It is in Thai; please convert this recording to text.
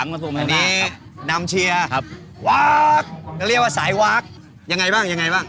วันนี้นำเชียร์วากก็เรียกว่าสายวาคยังไงบ้างยังไงบ้าง